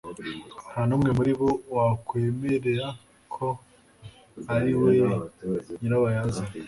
Nta n'umwe muri bo wakwemera ko ari we nyirabayazana.